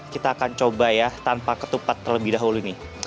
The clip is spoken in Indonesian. kita akan coba ya tanpa ketupat terlebih dahulu nih